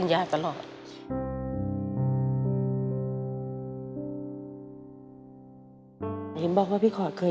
ให้หลับไปเลย